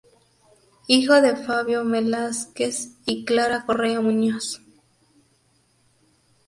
Hijo de Fabio Velásquez y Clara Correa Muñoz.